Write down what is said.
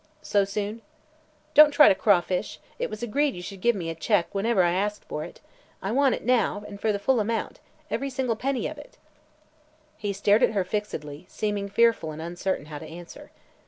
"So soon?" "Don't try to crawfish; it was agreed you should give me a check whenever I asked for it. I want it now, and for the full amount every single penny of it!" He stared at her fixedly, seeming fearful and uncertain how to answer.